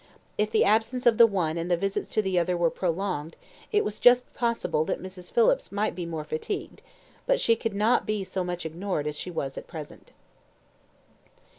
If the absence of the one and the visits to the other were prolonged, it was just possible that Mrs. Phillips might be more fatigued; but she could not be so much ignored as she was at present.